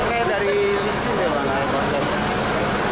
api di sini bang